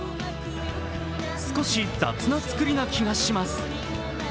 少し雑な作りな気がします。